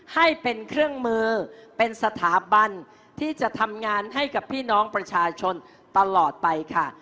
ให้เป็นเครื่องมือเป็นสถาบันที่จะทำงานให้กับพี่น้องประชาชนตลอดไปค่ะ